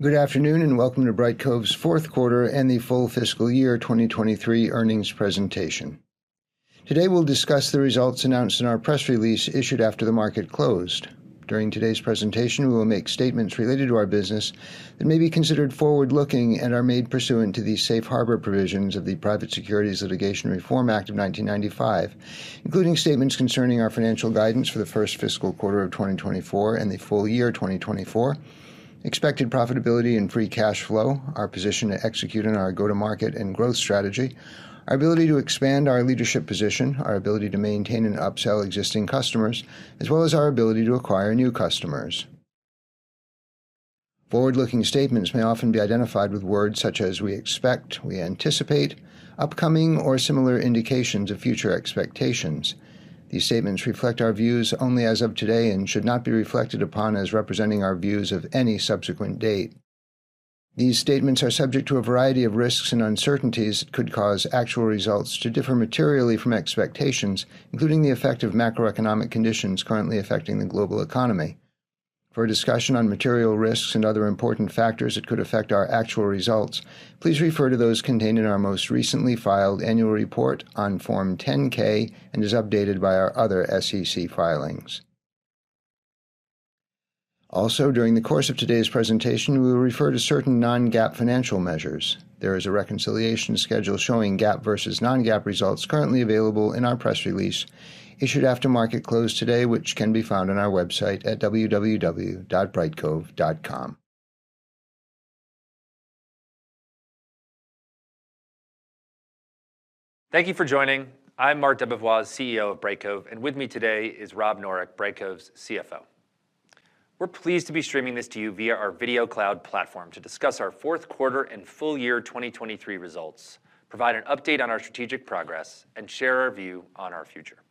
Good afternoon and welcome to Brightcove's fourth quarter and the full fiscal year 2023 earnings presentation. Today we'll discuss the results announced in our press release issued after the market closed. During today's presentation, we will make statements related to our business that may be considered forward-looking and are made pursuant to the Safe Harbor provisions of the Private Securities Litigation Reform Act of 1995, including statements concerning our financial guidance for the first fiscal quarter of 2024 and the full year 2024, expected profitability and Free Cash Flow, our position to execute on our go-to-market and growth strategy, our ability to expand our leadership position, our ability to maintain and upsell existing customers, as well as our ability to acquire new customers. Forward-looking statements may often be identified with words such as "we expect," "we anticipate," "upcoming," or similar indications of future expectations. These statements reflect our views only as of today and should not be reflected upon as representing our views of any subsequent date. These statements are subject to a variety of risks and uncertainties that could cause actual results to differ materially from expectations, including the effect of macroeconomic conditions currently affecting the global economy. For a discussion on material risks and other important factors that could affect our actual results, please refer to those contained in our most recently filed annual report on Form 10-K and is updated by our other SEC filings. Also, during the course of today's presentation, we will refer to certain non-GAAP financial measures. There is a reconciliation schedule showing GAAP versus non-GAAP results currently available in our press release issued after market closed today, which can be found on our website at www.brightcove.com. Thank you for joining. I'm Marc DeBevoise, CEO of Brightcove, and with me today is Rob Noreck, Brightcove's CFO. We're pleased to be streaming this to you via our Video Cloud platform to discuss our fourth quarter and full year 2023 results, provide an update on our strategic progress, and share our view on our future.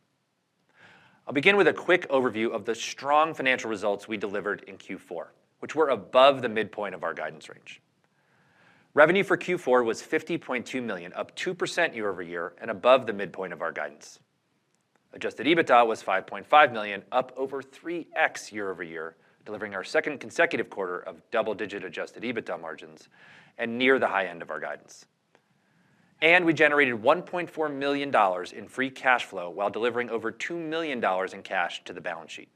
I'll begin with a quick overview of the strong financial results we delivered in Q4, which were above the midpoint of our guidance range. Revenue for Q4 was $50.2 million, up 2% year-over-year and above the midpoint of our guidance. Adjusted EBITDA was $5.5 million, up over 3x year-over-year, delivering our second consecutive quarter of double-digit adjusted EBITDA margins and near the high end of our guidance. And we generated $1.4 million in Free Cash Flow while delivering over $2 million in cash to the balance sheet.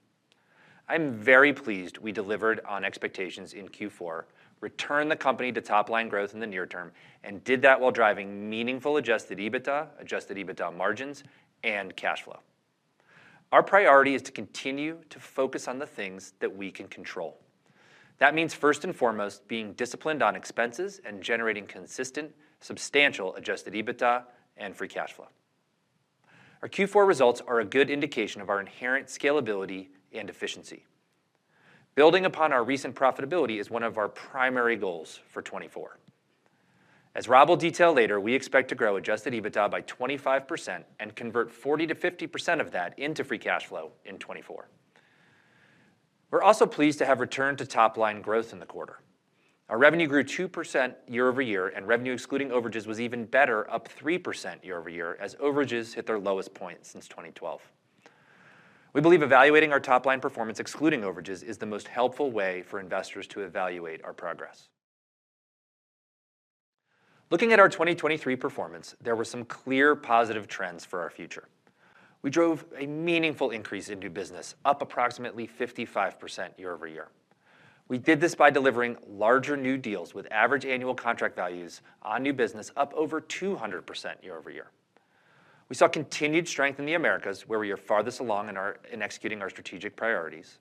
I'm very pleased we delivered on expectations in Q4, returned the company to top-line growth in the near term, and did that while driving meaningful Adjusted EBITDA, Adjusted EBITDA margins, and cash flow. Our priority is to continue to focus on the things that we can control. That means, first and foremost, being disciplined on expenses and generating consistent, substantial Adjusted EBITDA and Free Cash Flow. Our Q4 results are a good indication of our inherent scalability and efficiency. Building upon our recent profitability is one of our primary goals for 2024. As Rob will detail later, we expect to grow Adjusted EBITDA by 25% and convert 40%-50% of that into Free Cash Flow in 2024. We're also pleased to have returned to top-line growth in the quarter. Our revenue grew 2% year-over-year, and revenue excluding overages was even better, up 3% year-over-year as overages hit their lowest point since 2012. We believe evaluating our top-line performance excluding overages is the most helpful way for investors to evaluate our progress. Looking at our 2023 performance, there were some clear positive trends for our future. We drove a meaningful increase in new business, up approximately 55% year-over-year. We did this by delivering larger new deals with average annual contract values on new business, up over 200% year-over-year. We saw continued strength in the Americas, where we are farthest along in executing our strategic priorities.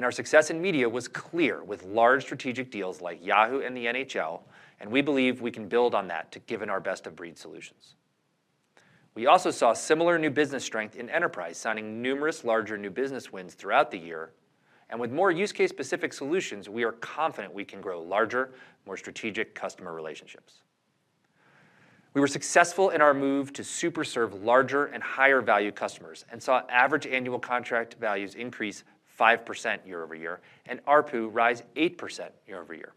Our success in media was clear with large strategic deals like Yahoo and the NHL, and we believe we can build on that to give in our best-of-breed solutions. We also saw similar new business strength in enterprise, signing numerous larger new business wins throughout the year. With more use-case-specific solutions, we are confident we can grow larger, more strategic customer relationships. We were successful in our move to superserve larger and higher-value customers and saw average annual contract values increase 5% year-over-year and ARPU rise 8% year-over-year.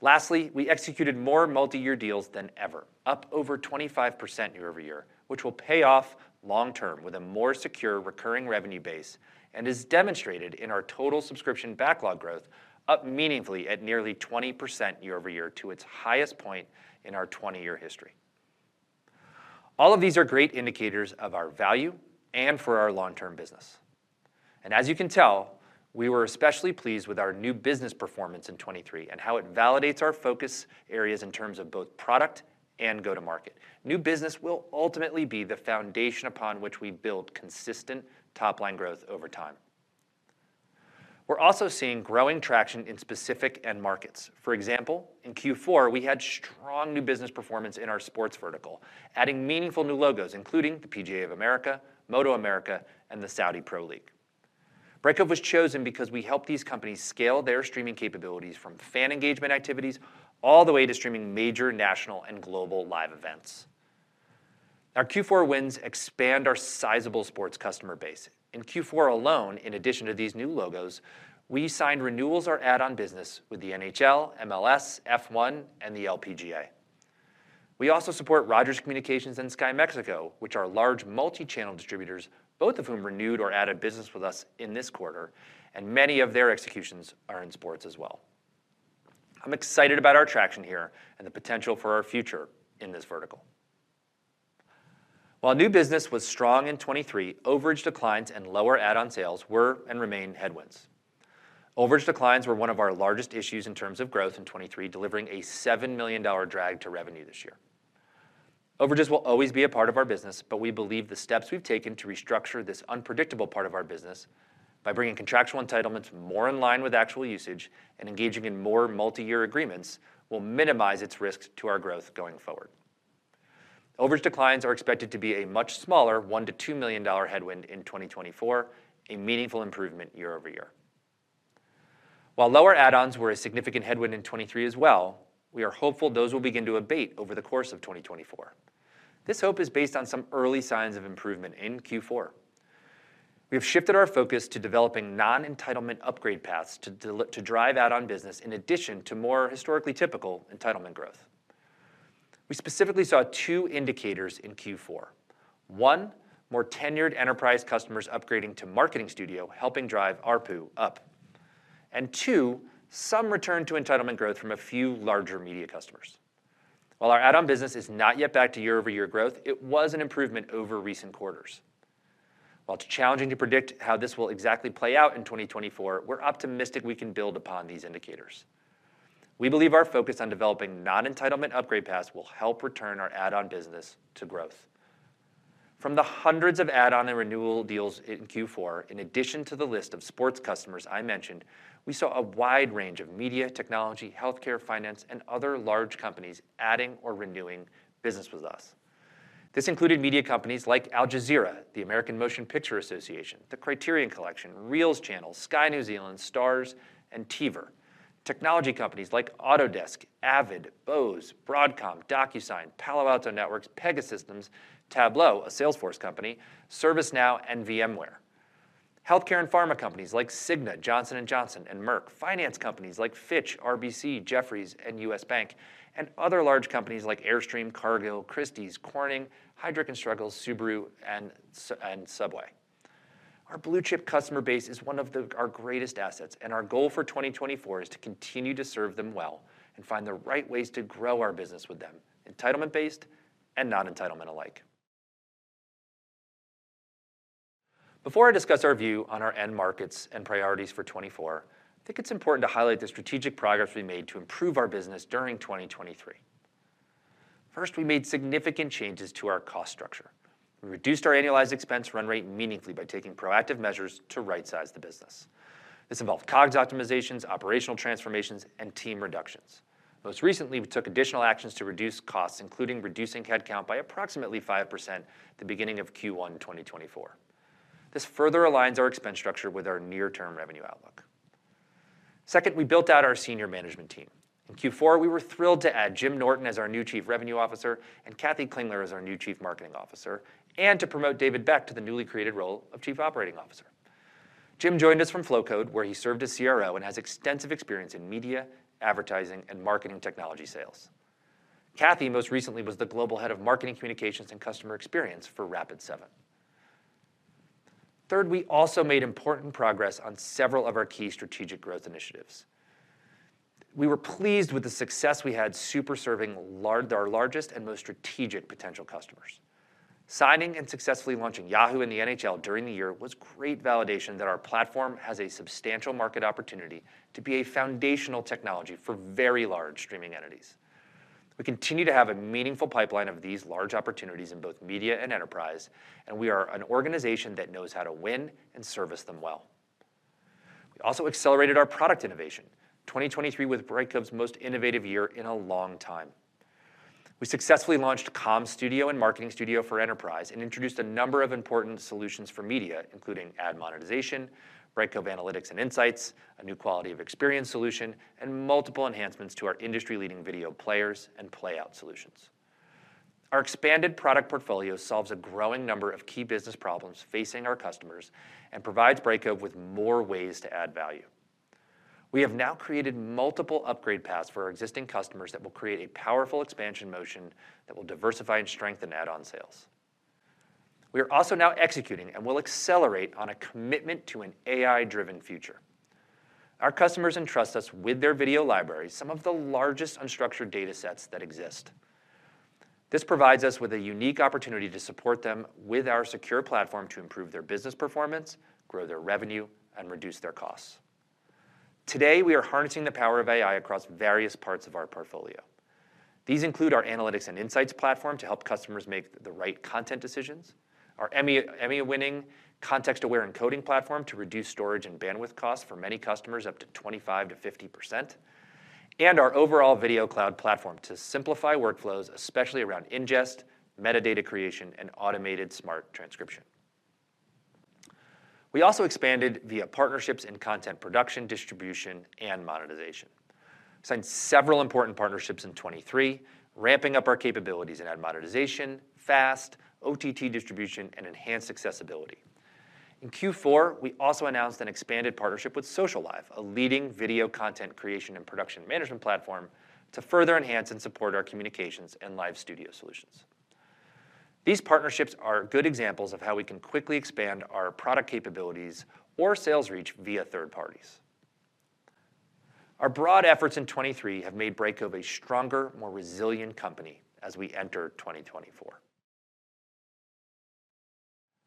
Lastly, we executed more multi-year deals than ever, up over 25% year-over-year, which will pay off long-term with a more secure recurring revenue base and is demonstrated in our total subscription backlog growth, up meaningfully at nearly 20% year-over-year to its highest point in our 20-year history. All of these are great indicators of our value and for our long-term business. As you can tell, we were especially pleased with our new business performance in 2023 and how it validates our focus areas in terms of both product and go-to-market. New business will ultimately be the foundation upon which we build consistent top-line growth over time. We're also seeing growing traction in specific end markets. For example, in Q4, we had strong new business performance in our sports vertical, adding meaningful new logos, including the PGA of America, MotoAmerica, and the Saudi Pro League. Brightcove was chosen because we helped these companies scale their streaming capabilities from fan engagement activities all the way to streaming major national and global live events. Our Q4 wins expand our sizable sports customer base. In Q4 alone, in addition to these new logos, we signed renewals or add-on business with the NHL, MLS, F1, and the LPGA. We also support Rogers Communications and Sky Mexico, which are large multi-channel distributors, both of whom renewed or added business with us in this quarter, and many of their executions are in sports as well. I'm excited about our traction here and the potential for our future in this vertical. While new business was strong in 2023, overage declines and lower add-on sales were and remain headwinds. Overage declines were one of our largest issues in terms of growth in 2023, delivering a $7 million drag to revenue this year. Overages will always be a part of our business, but we believe the steps we've taken to restructure this unpredictable part of our business by bringing contractual entitlements more in line with actual usage and engaging in more multi-year agreements will minimize its risks to our growth going forward. Overage declines are expected to be a much smaller $1 million-$2 million headwind in 2024, a meaningful improvement year-over-year. While lower add-ons were a significant headwind in 2023 as well, we are hopeful those will begin to abate over the course of 2024. This hope is based on some early signs of improvement in Q4. We have shifted our focus to developing non-entitlement upgrade paths to drive add-on business in addition to more historically typical entitlement growth. We specifically saw two indicators in Q4: one, more tenured enterprise customers upgrading to Marketing Studio, helping drive ARPU up; and two, some return to entitlement growth from a few larger media customers. While our add-on business is not yet back to year-over-year growth, it was an improvement over recent quarters. While it's challenging to predict how this will exactly play out in 2024, we're optimistic we can build upon these indicators. We believe our focus on developing non-entitlement upgrade paths will help return our add-on business to growth. From the hundreds of add-on and renewal deals in Q4, in addition to the list of sports customers I mentioned, we saw a wide range of media, technology, healthcare, finance, and other large companies adding or renewing business with us. This included media companies like Al Jazeera, the American Motion Picture Association, the Criterion Collection, REELZ, Sky New Zealand, Starz, and TVer. Technology companies like Autodesk, Avid, Bose, Broadcom, DocuSign, Palo Alto Networks, Pegasystems, Tableau, a Salesforce company. ServiceNow and VMware. Healthcare and pharma companies like Cigna, Johnson & Johnson, and Merck. Finance companies like Fitch, RBC, Jefferies, and U.S. Bank. And other large companies like Airstream, Cargill, Christie's, Corning, Heidrick & Struggles, Subaru, and Subway. Our blue-chip customer base is one of our greatest assets, and our goal for 2024 is to continue to serve them well and find the right ways to grow our business with them, entitlement-based and non-entitlement-alike. Before I discuss our view on our end markets and priorities for 2024, I think it's important to highlight the strategic progress we made to improve our business during 2023. First, we made significant changes to our cost structure. We reduced our annualized expense run rate meaningfully by taking proactive measures to right-size the business. This involved COGS optimizations, operational transformations, and team reductions. Most recently, we took additional actions to reduce costs, including reducing headcount by approximately 5% at the beginning of Q1 2024. This further aligns our expense structure with our near-term revenue outlook. Second, we built out our senior management team. In Q4, we were thrilled to add Jim Norton as our new Chief Revenue Officer and Kathy Klingler as our new Chief Marketing Officer and to promote David Beck to the newly created role of Chief Operating Officer. Jim joined us from Flowcode, where he served as CRO and has extensive experience in media, advertising, and marketing technology sales. Kathy most recently was the Global Head of Marketing Communications and Customer Experience for Rapid7. Third, we also made important progress on several of our key strategic growth initiatives. We were pleased with the success we had superserving our largest and most strategic potential customers. Signing and successfully launching Yahoo and the NHL during the year was great validation that our platform has a substantial market opportunity to be a foundational technology for very large streaming entities. We continue to have a meaningful pipeline of these large opportunities in both media and enterprise, and we are an organization that knows how to win and service them well. We also accelerated our product innovation. 2023 was Brightcove's most innovative year in a long time. We successfully launched Comm Studio and Marketing Studio for enterprise and introduced a number of important solutions for media, including ad monetization, Brightcove Analytics and Insights, a new quality of experience solution, and multiple enhancements to our industry-leading video players and playout solutions. Our expanded product portfolio solves a growing number of key business problems facing our customers and provides Brightcove with more ways to add value. We have now created multiple upgrade paths for our existing customers that will create a powerful expansion motion that will diversify and strengthen add-on sales. We are also now executing and will accelerate on a commitment to an AI-driven future. Our customers entrust us with their video library, some of the largest unstructured data sets that exist. This provides us with a unique opportunity to support them with our secure platform to improve their business performance, grow their revenue, and reduce their costs. Today, we are harnessing the power of AI across various parts of our portfolio. These include our Analytics and Insights platform to help customers make the right content decisions, our Emmy-winning Context-Aware Encoding platform to reduce storage and bandwidth costs for many customers up to 25%-50%, and our overall Video Cloud platform to simplify workflows, especially around ingest, metadata creation, and automated smart transcription. We also expanded via partnerships in content production, distribution, and monetization. We signed several important partnerships in 2023, ramping up our capabilities in ad monetization, FAST, OTT distribution, and enhanced accessibility. In Q4, we also announced an expanded partnership with Socialive, a leading video content creation and production management platform, to further enhance and support our communications and live studio solutions. These partnerships are good examples of how we can quickly expand our product capabilities or sales reach via third parties. Our broad efforts in 2023 have made Brightcove a stronger, more resilient company as we enter 2024.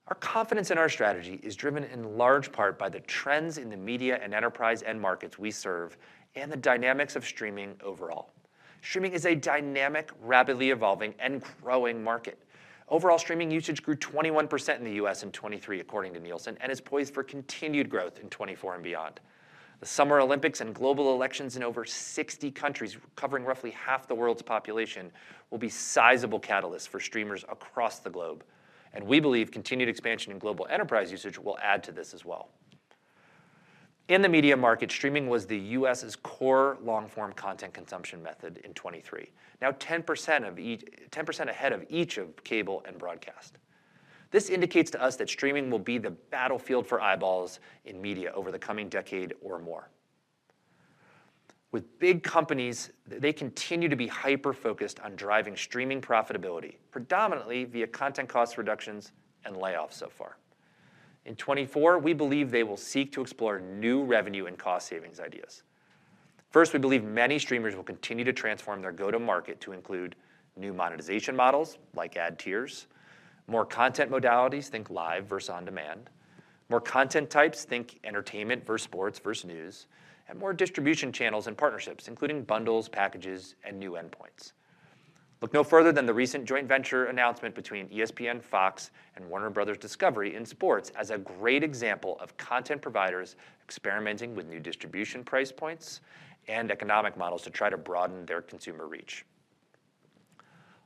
Our confidence in our strategy is driven in large part by the trends in the media and enterprise end markets we serve and the dynamics of streaming overall. Streaming is a dynamic, rapidly evolving, and growing market. Overall streaming usage grew 21% in the U.S. in 2023, according to Nielsen, and is poised for continued growth in 2024 and beyond. The Summer Olympics and global elections in over 60 countries, covering roughly half the world's population, will be sizable catalysts for streamers across the globe. We believe continued expansion in global enterprise usage will add to this as well. In the media market, streaming was the U.S.'s core long-form content consumption method in 2023, now 10% ahead of each of cable and broadcast. This indicates to us that streaming will be the battlefield for eyeballs in media over the coming decade or more. With big companies, they continue to be hyper-focused on driving streaming profitability, predominantly via content cost reductions and layoffs so far. In 2024, we believe they will seek to explore new revenue and cost savings ideas. First, we believe many streamers will continue to transform their go-to-market to include new monetization models like ad tiers, more content modalities think live versus on-demand, more content types think entertainment versus sports versus news, and more distribution channels and partnerships, including bundles, packages, and new endpoints. Look no further than the recent joint venture announcement between ESPN, Fox, and Warner Bros. Discovery in sports as a great example of content providers experimenting with new distribution price points and economic models to try to broaden their consumer reach.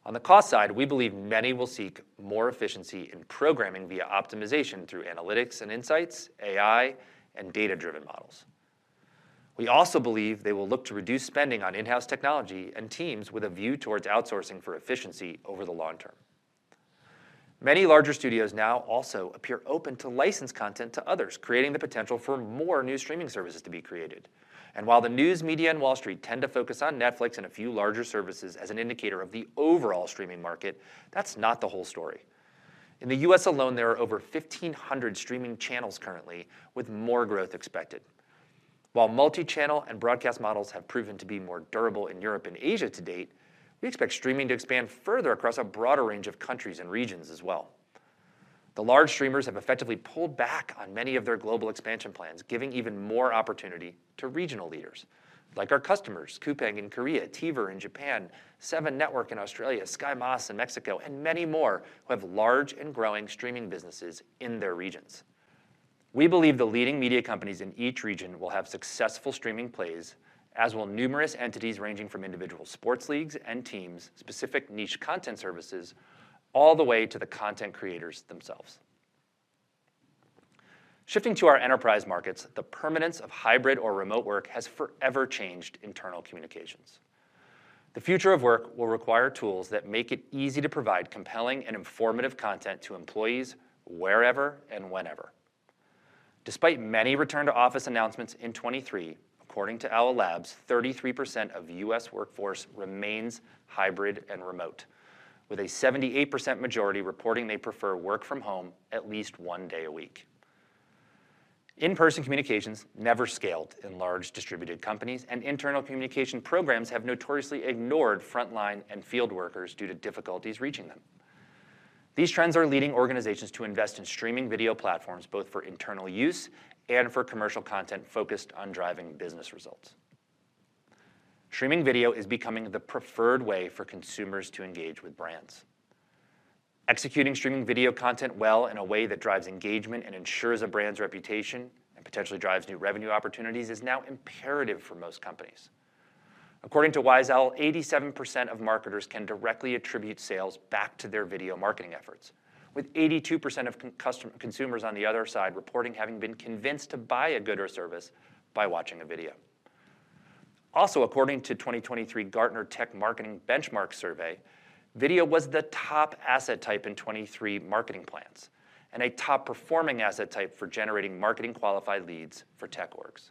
On the cost side, we believe many will seek more efficiency in programming via optimization through analytics and insights, AI, and data-driven models. We also believe they will look to reduce spending on in-house technology and teams with a view towards outsourcing for efficiency over the long term. Many larger studios now also appear open to license content to others, creating the potential for more new streaming services to be created. While the news, media, and Wall Street tend to focus on Netflix and a few larger services as an indicator of the overall streaming market, that's not the whole story. In the U.S. alone, there are over 1,500 streaming channels currently, with more growth expected. While multi-channel and broadcast models have proven to be more durable in Europe and Asia to date, we expect streaming to expand further across a broader range of countries and regions as well. The large streamers have effectively pulled back on many of their global expansion plans, giving even more opportunity to regional leaders like our customers, Coupang in Korea, TVer in Japan, Seven Network in Australia, Sky México in Mexico, and many more who have large and growing streaming businesses in their regions. We believe the leading media companies in each region will have successful streaming plays, as will numerous entities ranging from individual sports leagues and teams, specific niche content services, all the way to the content creators themselves. Shifting to our enterprise markets, the permanence of hybrid or remote work has forever changed internal communications. The future of work will require tools that make it easy to provide compelling and informative content to employees wherever and whenever. Despite many return-to-office announcements in 2023, according to Owl Labs, 33% of U.S. workforce remains hybrid and remote, with a 78% majority reporting they prefer work from home at least one day a week. In-person communications never scaled in large distributed companies, and internal communication programs have notoriously ignored frontline and field workers due to difficulties reaching them. These trends are leading organizations to invest in streaming video platforms both for internal use and for commercial content focused on driving business results. Streaming video is becoming the preferred way for consumers to engage with brands. Executing streaming video content well in a way that drives engagement and ensures a brand's reputation and potentially drives new revenue opportunities is now imperative for most companies. According to Wyzowl, 87% of marketers can directly attribute sales back to their video marketing efforts, with 82% of consumers on the other side reporting having been convinced to buy a good or service by watching a video. Also, according to 2023 Gartner Tech Marketing Benchmark Survey, video was the top asset type in 2023 marketing plans and a top-performing asset type for generating marketing-qualified leads for tech orgs.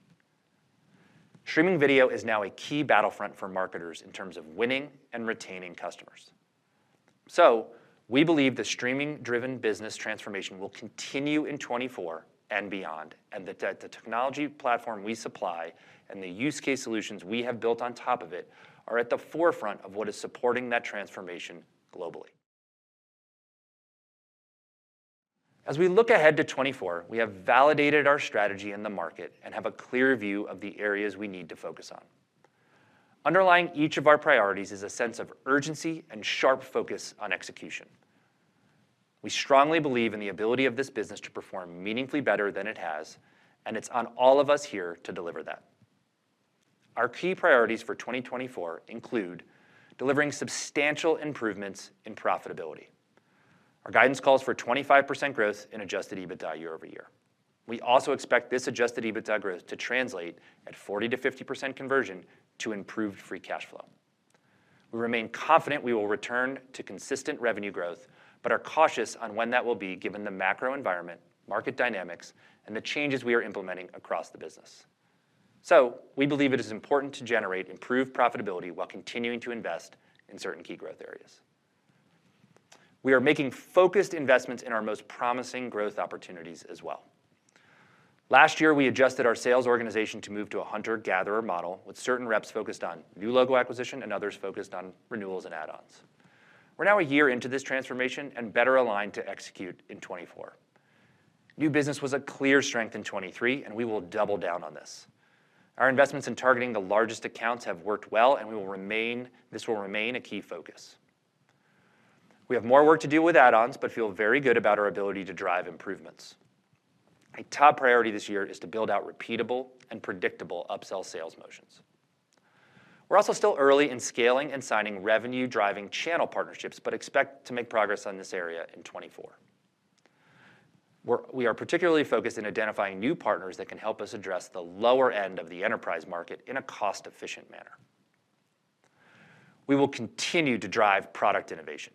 Streaming video is now a key battlefront for marketers in terms of winning and retaining customers. So we believe the streaming-driven business transformation will continue in 2024 and beyond, and that the technology platform we supply and the use case solutions we have built on top of it are at the forefront of what is supporting that transformation globally. As we look ahead to 2024, we have validated our strategy in the market and have a clear view of the areas we need to focus on. Underlying each of our priorities is a sense of urgency and sharp focus on execution. We strongly believe in the ability of this business to perform meaningfully better than it has, and it's on all of us here to deliver that. Our key priorities for 2024 include delivering substantial improvements in profitability. Our guidance calls for 25% growth in Adjusted EBITDA year-over-year. We also expect this Adjusted EBITDA growth to translate at 40%-50% conversion to improved Free Cash Flow. We remain confident we will return to consistent revenue growth, but are cautious on when that will be given the macro environment, market dynamics, and the changes we are implementing across the business. So we believe it is important to generate improved profitability while continuing to invest in certain key growth areas. We are making focused investments in our most promising growth opportunities as well. Last year, we adjusted our sales organization to move to a Hunter-Gatherer Model with certain reps focused on new logo acquisition and others focused on renewals and add-ons. We're now a year into this transformation and better aligned to execute in 2024. New business was a clear strength in 2023, and we will double down on this. Our investments in targeting the largest accounts have worked well, and this will remain a key focus. We have more work to do with add-ons but feel very good about our ability to drive improvements. A top priority this year is to build out repeatable and predictable upsell sales motions. We're also still early in scaling and signing revenue-driving channel partnerships but expect to make progress on this area in 2024. We are particularly focused on identifying new partners that can help us address the lower end of the enterprise market in a cost-efficient manner. We will continue to drive product innovation.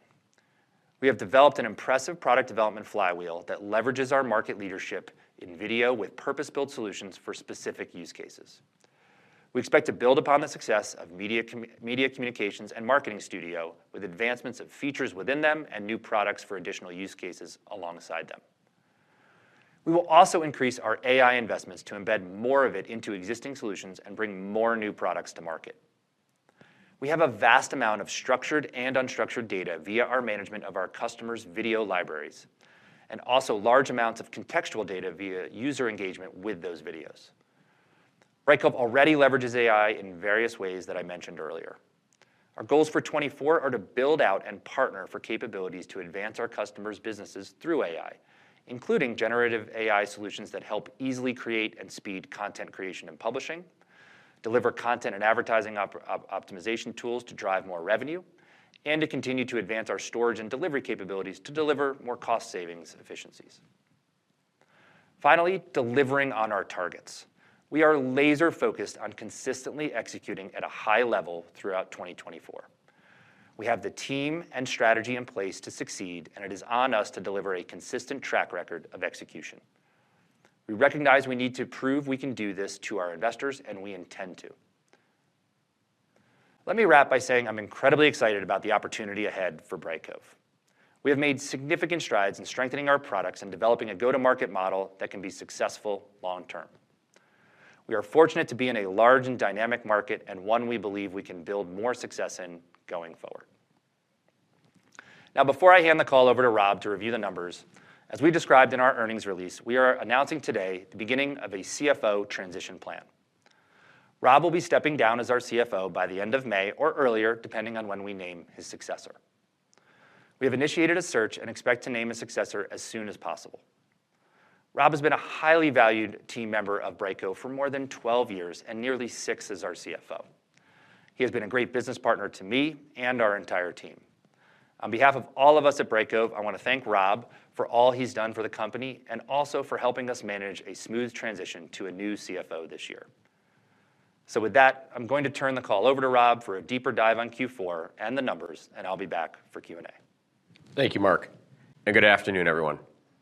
We have developed an impressive product development flywheel that leverages our market leadership in video with purpose-built solutions for specific use cases. We expect to build upon the success of Media Communications and Marketing Studio with advancements of features within them and new products for additional use cases alongside them. We will also increase our AI investments to embed more of it into existing solutions and bring more new products to market. We have a vast amount of structured and unstructured data via our management of our customers' video libraries and also large amounts of contextual data via user engagement with those videos. Brightcove already leverages AI in various ways that I mentioned earlier. Our goals for 2024 are to build out and partner for capabilities to advance our customers' businesses through AI, including generative AI solutions that help easily create and speed content creation and publishing, deliver content and advertising optimization tools to drive more revenue, and to continue to advance our storage and delivery capabilities to deliver more cost-savings efficiencies. Finally, delivering on our targets, we are laser-focused on consistently executing at a high level throughout 2024. We have the team and strategy in place to succeed, and it is on us to deliver a consistent track record of execution. We recognize we need to prove we can do this to our investors, and we intend to. Let me wrap by saying I'm incredibly excited about the opportunity ahead for Brightcove. We have made significant strides in strengthening our products and developing a go-to-market model that can be successful long term. We are fortunate to be in a large and dynamic market and one we believe we can build more success in going forward. Now, before I hand the call over to Rob to review the numbers, as we described in our earnings release, we are announcing today the beginning of a CFO transition plan. Rob will be stepping down as our CFO by the end of May or earlier, depending on when we name his successor. We have initiated a search and expect to name a successor as soon as possible. Rob has been a highly valued team member of Brightcove for more than 12 years and nearly six as our CFO. He has been a great business partner to me and our entire team. On behalf of all of us at Brightcove, I want to thank Rob for all he's done for the company and also for helping us manage a smooth transition to a new CFO this year. With that, I'm going to turn the call over to Rob for a deeper dive on Q4 and the numbers, and I'll be back for Q&A. Thank you, Marc, and good afternoon, everyone.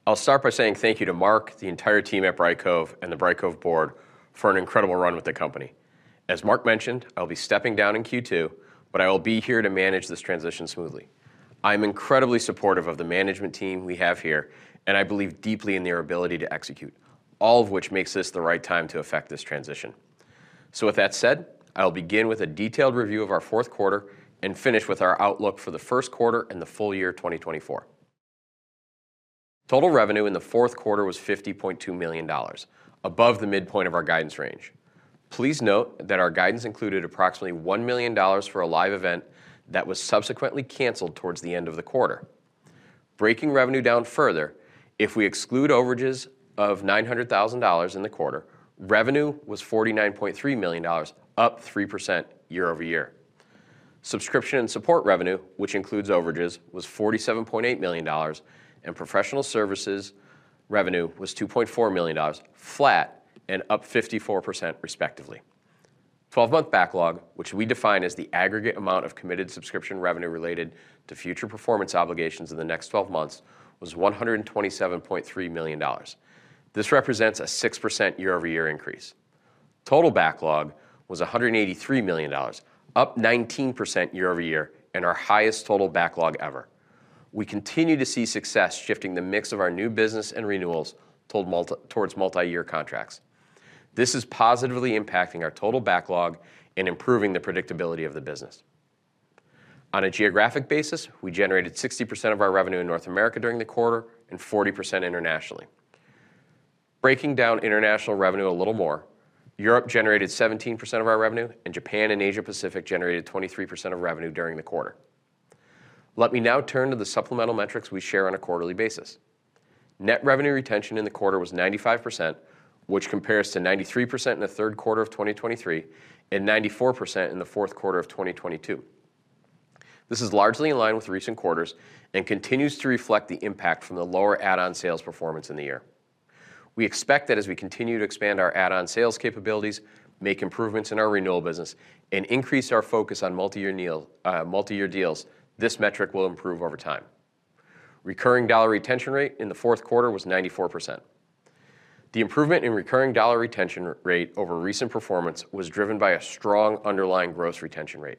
I'll start by saying thank you to Marc, the entire team at Brightcove, and the Brightcove board for an incredible run with the company. As Marc mentioned, I'll be stepping down in Q2, but I will be here to manage this transition smoothly. I'm incredibly supportive of the management team we have here, and I believe deeply in their ability to execute, all of which makes this the right time to affect this transition. With that said, I'll begin with a detailed review of our fourth quarter and finish with our outlook for the first quarter and the full year 2024. Total revenue in the fourth quarter was $50.2 million, above the midpoint of our guidance range. Please note that our guidance included approximately $1 million for a live event that was subsequently canceled towards the end of the quarter. Breaking revenue down further, if we exclude overages of $900,000 in the quarter, revenue was $49.3 million, up 3% year-over-year. Subscription and support revenue, which includes overages, was $47.8 million, and professional services revenue was $2.4 million, flat and up 54% respectively. 12-month backlog, which we define as the aggregate amount of committed subscription revenue related to future performance obligations in the next 12 months, was $127.3 million. This represents a 6% year-over-year increase. Total backlog was $183 million, up 19% year-over-year and our highest total backlog ever. We continue to see success shifting the mix of our new business and renewals towards multi-year contracts. This is positively impacting our total backlog and improving the predictability of the business. On a geographic basis, we generated 60% of our revenue in North America during the quarter and 40% internationally. Breaking down international revenue a little more, Europe generated 17% of our revenue, and Japan and Asia-Pacific generated 23% of revenue during the quarter. Let me now turn to the supplemental metrics we share on a quarterly basis. Net revenue retention in the quarter was 95%, which compares to 93% in the third quarter of 2023 and 94% in the fourth quarter of 2022. This is largely in line with recent quarters and continues to reflect the impact from the lower add-on sales performance in the year. We expect that as we continue to expand our add-on sales capabilities, make improvements in our renewal business, and increase our focus on multi-year deals, this metric will improve over time. Recurring dollar retention rate in the fourth quarter was 94%. The improvement in recurring dollar retention rate over recent performance was driven by a strong underlying gross retention rate.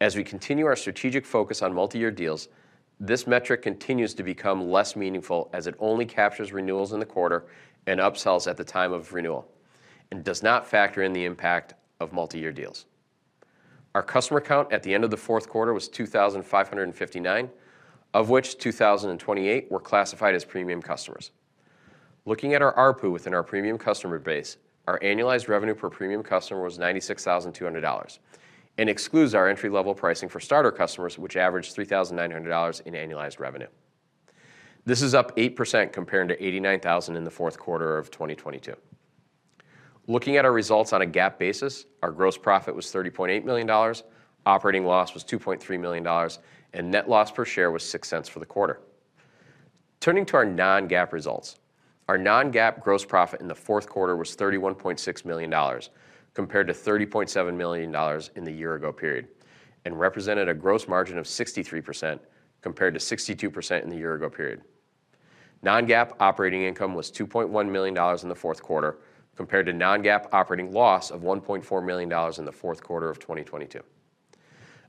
As we continue our strategic focus on multi-year deals, this metric continues to become less meaningful as it only captures renewals in the quarter and upsells at the time of renewal and does not factor in the impact of multi-year deals. Our customer count at the end of the fourth quarter was 2,559, of which 2,028 were classified as premium customers. Looking at our ARPU within our premium customer base, our annualized revenue per premium customer was $96,200 and excludes our entry-level pricing for starter customers, which averaged $3,900 in annualized revenue. This is up 8% compared to $89,000 in the fourth quarter of 2022. Looking at our results on a GAAP basis, our gross profit was $30.8 million, operating loss was $2.3 million, and net loss per share was $0.06 for the quarter. Turning to our non-GAAP results, our non-GAAP gross profit in the fourth quarter was $31.6 million compared to $30.7 million in the year-ago period and represented a gross margin of 63% compared to 62% in the year-ago period. Non-GAAP operating income was $2.1 million in the fourth quarter compared to non-GAAP operating loss of $1.4 million in the fourth quarter of 2022.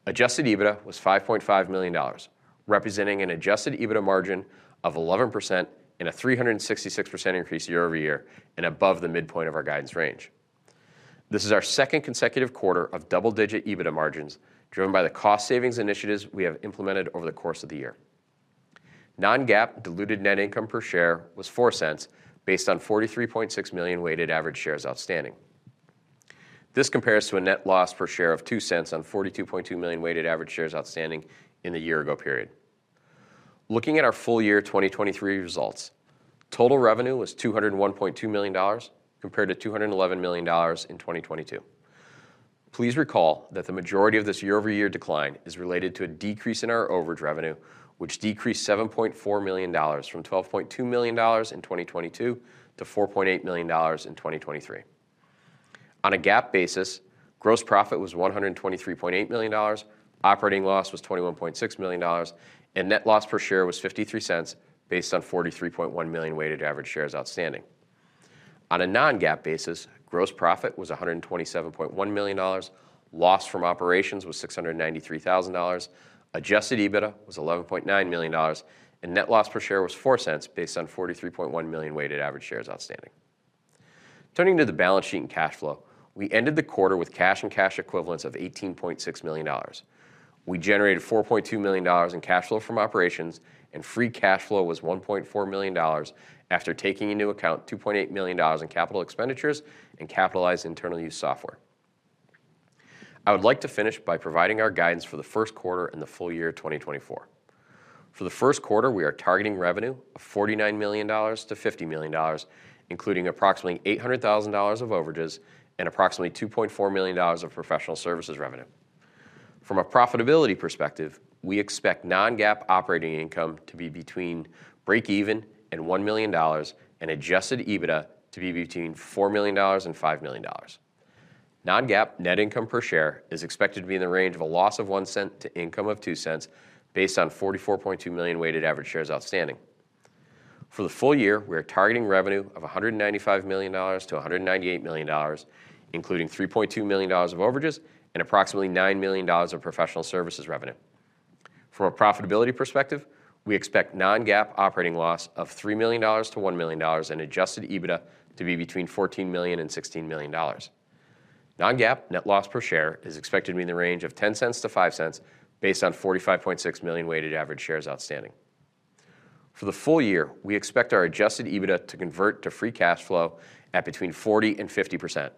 Adjusted EBITDA was $5.5 million, representing an adjusted EBITDA margin of 11% and a 366% increase year-over-year and above the midpoint of our guidance range. This is our second consecutive quarter of double-digit EBITDA margins driven by the cost-savings initiatives we have implemented over the course of the year. Non-GAAP diluted net income per share was $0.04 based on 43.6 million weighted average shares outstanding. This compares to a net loss per share of $0.02 on 42.2 million weighted average shares outstanding in the year-ago period. Looking at our full year 2023 results, total revenue was $201.2 million compared to $211 million in 2022. Please recall that the majority of this year-over-year decline is related to a decrease in our overage revenue, which decreased $7.4 million from $12.2 million in 2022 to $4.8 million in 2023. On a GAAP basis, gross profit was $123.8 million, operating loss was $21.6 million, and net loss per share was $0.53 based on 43.1 million weighted average shares outstanding. On a non-GAAP basis, gross profit was $127.1 million, loss from operations was $693,000, Adjusted EBITDA was $11.9 million, and net loss per share was $0.04 based on 43.1 million weighted average shares outstanding. Turning to the balance sheet and cash flow, we ended the quarter with cash and cash equivalents of $18.6 million. We generated $4.2 million in cash flow from operations, and Free Cash Flow was $1.4 million after taking into account $2.8 million in capital expenditures and capitalized internal use software. I would like to finish by providing our guidance for the first quarter and the full year 2024. For the first quarter, we are targeting revenue of $49 million-$50 million, including approximately $800,000 of overages and approximately $2.4 million of professional services revenue. From a profitability perspective, we expect non-GAAP operating income to be between breakeven and $1 million and Adjusted EBITDA to be between $4 million-$5 million. Non-GAAP net income per share is expected to be in the range of a loss of $0.01 to income of $0.02 based on 44.2 million weighted average shares outstanding. For the full year, we are targeting revenue of $195 million-$198 million, including $3.2 million of overages and approximately $9 million of professional services revenue. From a profitability perspective, we expect non-GAAP operating loss of $3 million-$1 million and Adjusted EBITDA to be between $14 million and $16 million. Non-GAAP net loss per share is expected to be in the range of $0.10-$0.05 based on 45.6 million weighted average shares outstanding. For the full year, we expect our Adjusted EBITDA to convert to Free Cash Flow at between 40% and 50%.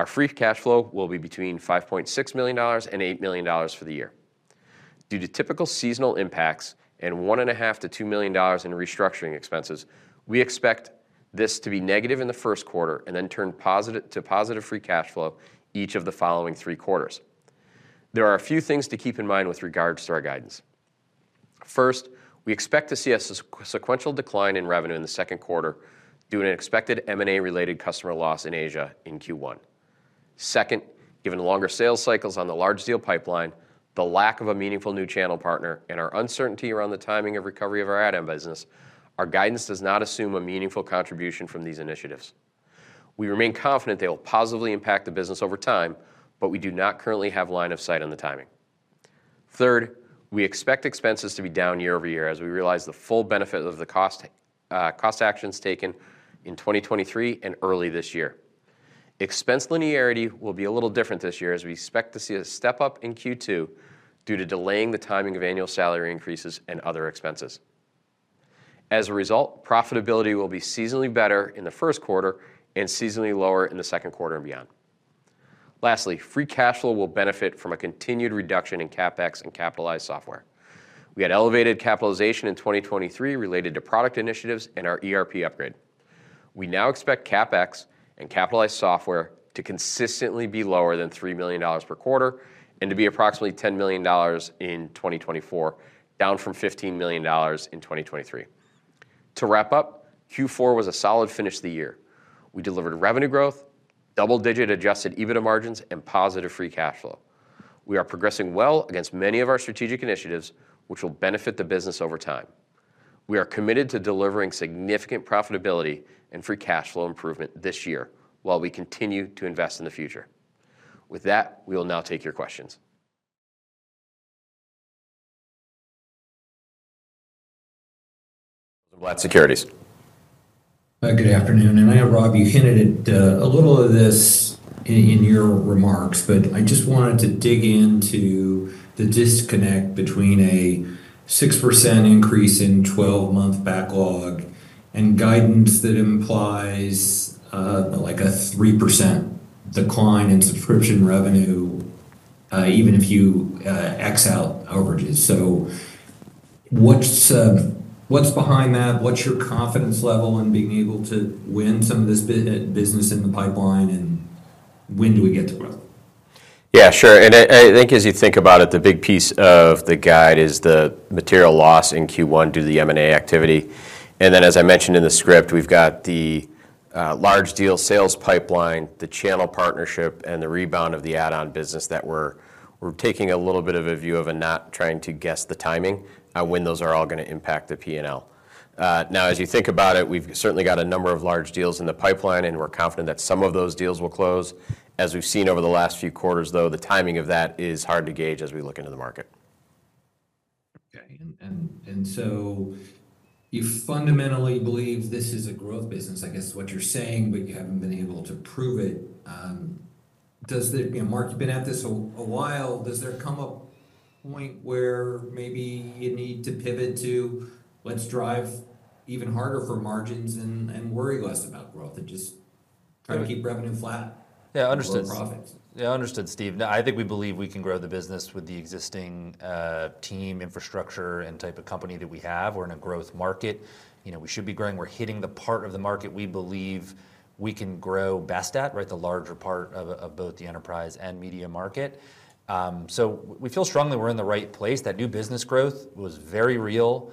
Our Free Cash Flow will be between $5.6 million and $8 million for the year. Due to typical seasonal impacts and $1.5 million-$2 million in restructuring expenses, we expect this to be negative in the first quarter and then turn positive to positive Free Cash Flow each of the following three quarters. There are a few things to keep in mind with regards to our guidance. First, we expect to see a sequential decline in revenue in the second quarter due to an expected M&A-related customer loss in Asia in Q1. Second, given longer sales cycles on the large deal pipeline, the lack of a meaningful new channel partner, and our uncertainty around the timing of recovery of our add-on business, our guidance does not assume a meaningful contribution from these initiatives. We remain confident they will positively impact the business over time, but we do not currently have line of sight on the timing. Third, we expect expenses to be down year-over-year as we realize the full benefit of the cost actions taken in 2023 and early this year. Expense linearity will be a little different this year as we expect to see a step up in Q2 due to delaying the timing of annual salary increases and other expenses. As a result, profitability will be seasonally better in the first quarter and seasonally lower in the second quarter and beyond. Lastly, Free Cash Flow will benefit from a continued reduction in CapEx and capitalized software. We had elevated capitalization in 2023 related to product initiatives and our ERP upgrade. We now expect CapEx and capitalized software to consistently be lower than $3 million per quarter and to be approximately $10 million in 2024, down from $15 million in 2023. To wrap up, Q4 was a solid finish of the year. We delivered revenue growth, double-digit adjusted EBITDA margins, and positive Free Cash Flow. We are progressing well against many of our strategic initiatives, which will benefit the business over time. We are committed to delivering significant profitability and Free Cash Flow improvement this year while we continue to invest in the future. With that, we will now take your questions. Rosenblatt Securities. Good afternoon. And I know, Rob, you hinted at a little of this in your remarks, but I just wanted to dig into the disconnect between a 6% increase in 12-month backlog and guidance that implies a 3% decline in subscription revenue even if you X out overages. So what's behind that? What's your confidence level in being able to win some of this business in the pipeline, and when do we get to growth? Yeah, sure. I think as you think about it, the big piece of the guide is the material loss in Q1 due to the M&A activity. Then, as I mentioned in the script, we've got the large deal sales pipeline, the channel partnership, and the rebound of the add-on business that we're taking a little bit of a view of and not trying to guess the timing on when those are all going to impact the P&L. Now, as you think about it, we've certainly got a number of large deals in the pipeline, and we're confident that some of those deals will close. As we've seen over the last few quarters, though, the timing of that is hard to gauge as we look into the market. Okay. And so you fundamentally believe this is a growth business, I guess is what you're saying, but you haven't been able to prove it. Marc, you've been at this a while. Does there come a point where maybe you need to pivot to, "Let's drive even harder for margins and worry less about growth and just try to keep revenue flat? Yeah, understood. Growing profits. Yeah, understood, Steve. I think we believe we can grow the business with the existing team, infrastructure, and type of company that we have. We're in a growth market. We should be growing. We're hitting the part of the market we believe we can grow best at, right, the larger part of both the enterprise and media market. So we feel strongly we're in the right place. That new business growth was very real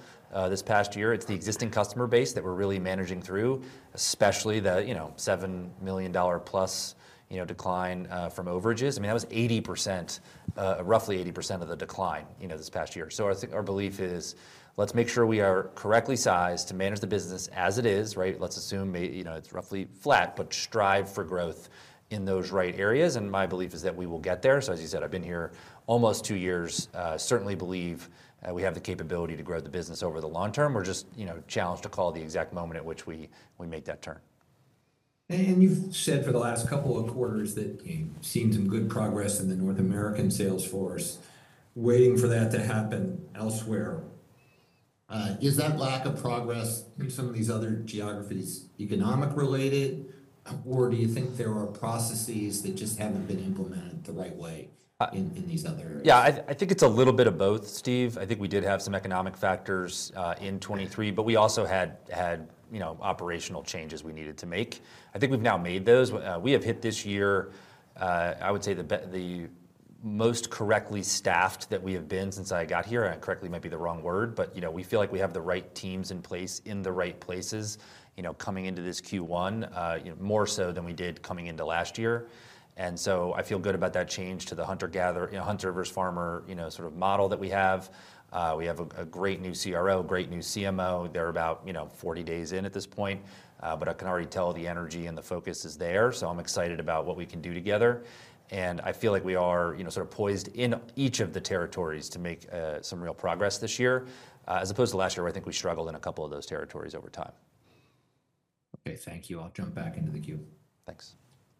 this past year. It's the existing customer base that we're really managing through, especially the $7 million+ decline from overages. I mean, that was 80%, roughly 80% of the decline this past year. So our belief is, "Let's make sure we are correctly sized to manage the business as it is," right? Let's assume it's roughly flat, but strive for growth in those right areas. And my belief is that we will get there. So as you said, I've been here almost two years. Certainly, we believe we have the capability to grow the business over the long term. We're just challenged to call the exact moment at which we make that turn. You've said for the last couple of quarters that you've seen some good progress in the North American sales force. Waiting for that to happen elsewhere, is that lack of progress in some of these other geographies economic-related, or do you think there are processes that just haven't been implemented the right way in these other? Yeah, I think it's a little bit of both, Steve. I think we did have some economic factors in 2023, but we also had operational changes we needed to make. I think we've now made those. We have hit this year, I would say, the most correctly staffed that we have been since I got here. Correctly might be the wrong word, but we feel like we have the right teams in place in the right places coming into this Q1, more so than we did coming into last year. And so I feel good about that change to the hunter-gatherer, hunter versus farmer sort of model that we have. We have a great new CRO, great new CMO. They're about 40 days in at this point, but I can already tell the energy and the focus is there. So I'm excited about what we can do together. I feel like we are sort of poised in each of the territories to make some real progress this year, as opposed to last year, where I think we struggled in a couple of those territories over time. Okay. Thank you. I'll jump back into the queue. Thanks.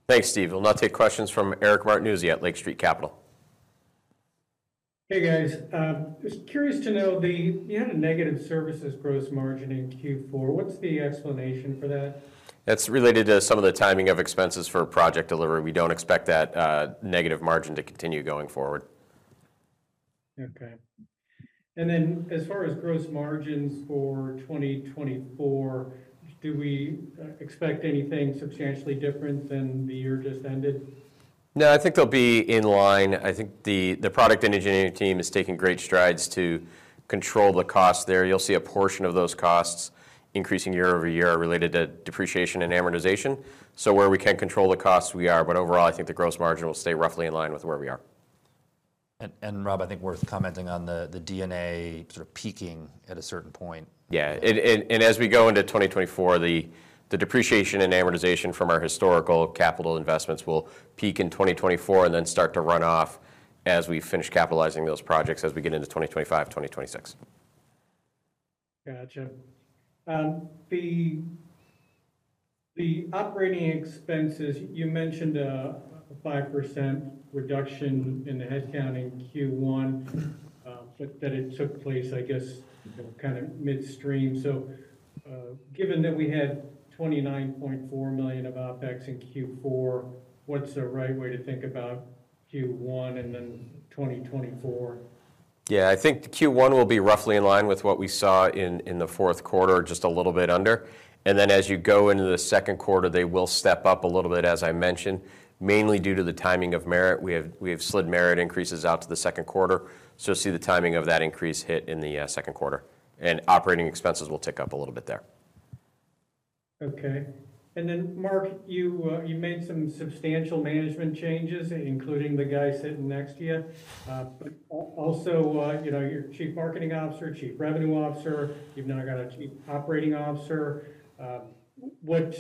Thanks, Steve. We'll now take questions from Eric Martinuzzi at Lake Street Capital Markets. Hey, guys. Just curious to know, you had a negative services gross margin in Q4. What's the explanation for that? That's related to some of the timing of expenses for project delivery. We don't expect that negative margin to continue going forward. Okay. And then as far as gross margins for 2024, do we expect anything substantially different than the year just ended? No, I think they'll be in line. I think the product engineering team is taking great strides to control the costs there. You'll see a portion of those costs increasing year-over-year related to depreciation and amortization. So where we can't control the costs, we are. But overall, I think the gross margin will stay roughly in line with where we are. Rob, I think worth commenting on the DNA sort of peaking at a certain point. Yeah. As we go into 2024, the depreciation and amortization from our historical capital investments will peak in 2024 and then start to run off as we finish capitalizing those projects as we get into 2025, 2026. Gotcha. The operating expenses, you mentioned a 5% reduction in the headcount in Q1, but that it took place, I guess, kind of midstream. So given that we had $29.4 million of OpEx in Q4, what's the right way to think about Q1 and then 2024? Yeah, I think Q1 will be roughly in line with what we saw in the fourth quarter, just a little bit under. And then as you go into the second quarter, they will step up a little bit, as I mentioned, mainly due to the timing of merit. We have slid merit increases out to the second quarter, so see the timing of that increase hit in the second quarter. And operating expenses will tick up a little bit there. Okay. And then, Marc, you made some substantial management changes, including the guy sitting next to you. But also, your Chief Marketing Officer, Chief Revenue Officer. You've now got a Chief Operating Officer. Are we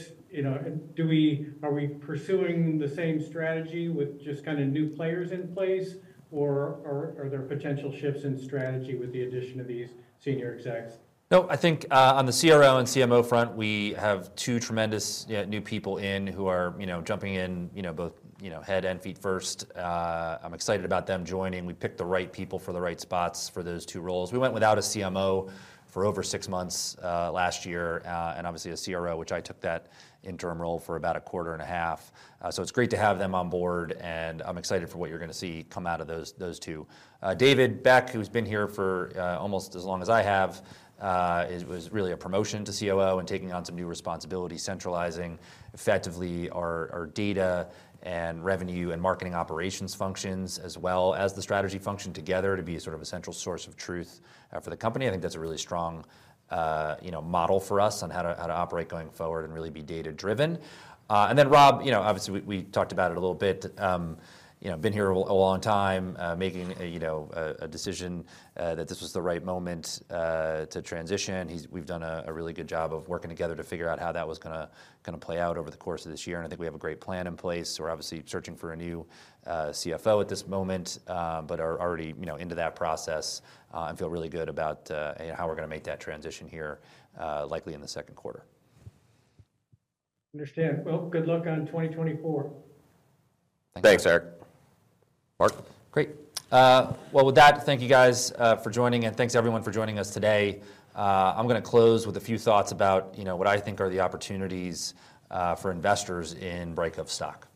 pursuing the same strategy with just kind of new players in place, or are there potential shifts in strategy with the addition of these senior execs? No, I think on the CRO and CMO front, we have two tremendous new people in who are jumping in both head and feet first. I'm excited about them joining. We picked the right people for the right spots for those two roles. We went without a CMO for over six months last year and obviously a CRO, which I took that interim role for about a quarter and a half. So it's great to have them on board, and I'm excited for what you're going to see come out of those two. David Beck, who's been here for almost as long as I have, was really a promotion to COO and taking on some new responsibilities, centralizing effectively our data and revenue and marketing operations functions as well as the strategy function together to be sort of a central source of truth for the company. I think that's a really strong model for us on how to operate going forward and really be data-driven. And then, Rob, obviously, we talked about it a little bit. Been here a long time making a decision that this was the right moment to transition. We've done a really good job of working together to figure out how that was going to play out over the course of this year. And I think we have a great plan in place. We're obviously searching for a new CFO at this moment, but are already into that process and feel really good about how we're going to make that transition here likely in the second quarter. Understand. Well, good luck on 2024. Thanks, Eric. Marc? Great. Well, with that, thank you guys for joining, and thanks everyone for joining us today. I'm going to close with a few thoughts about what I think are the opportunities for investors in Brightcove stock.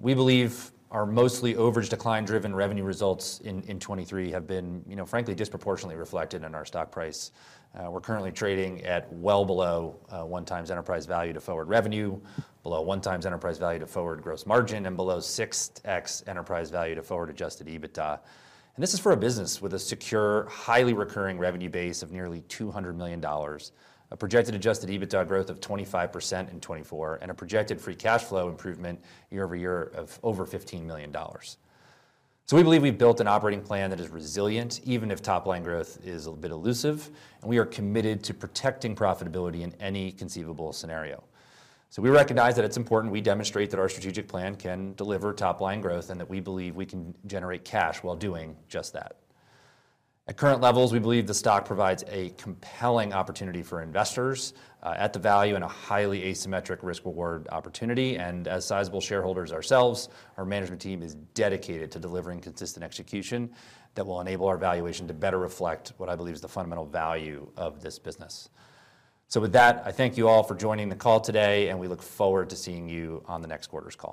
We believe our mostly overage-decline-driven revenue results in 2023 have been, frankly, disproportionately reflected in our stock price. We're currently trading at well below 1x enterprise value to forward revenue, below 1x enterprise value to forward gross margin, and below 6x enterprise value to forward adjusted EBITDA. And this is for a business with a secure, highly recurring revenue base of nearly $200 million, a projected adjusted EBITDA growth of 25% in 2024, and a projected Free Cash Flow improvement year over year of over $15 million. So we believe we've built an operating plan that is resilient even if top-line growth is a bit elusive, and we are committed to protecting profitability in any conceivable scenario. We recognize that it's important we demonstrate that our strategic plan can deliver top-line growth and that we believe we can generate cash while doing just that. At current levels, we believe the stock provides a compelling opportunity for investors at the value and a highly asymmetric risk-reward opportunity. As sizable shareholders ourselves, our management team is dedicated to delivering consistent execution that will enable our valuation to better reflect what I believe is the fundamental value of this business. With that, I thank you all for joining the call today, and we look forward to seeing you on the next quarter's call.